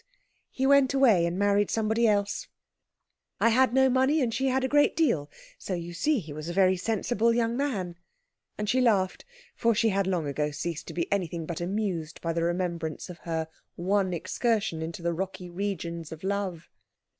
"He went away and married somebody else. I had no money, and she had a great deal. So you see he was a very sensible young man." And she laughed, for she had long ago ceased to be anything but amused by the remembrance of her one excursion into the rocky regions of love.